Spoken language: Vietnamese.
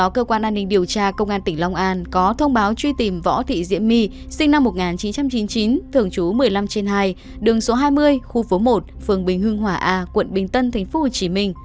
cơ quan an ninh điều tra công an tỉnh long an có thông báo truy tìm võ thị diễm my sinh năm một nghìn chín trăm chín mươi chín thường trú một mươi năm trên hai đường số hai mươi khu phố một phường bình hương hòa a quận bình tân tp hcm